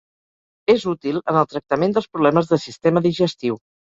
És útil en el tractament dels problemes de sistema digestiu.